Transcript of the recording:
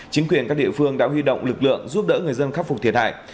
chính quyền các địa phương đã huy động lực lượng giúp đỡ người dân khắc phục thiệt hại